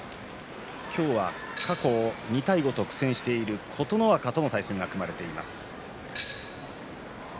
今日は過去に２対５と苦戦している琴ノ若との対戦が組まれています。